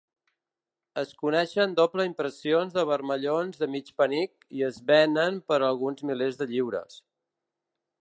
Es coneixen doble impressions de vermellons de mig penic, i es venen per alguns milers de lliures.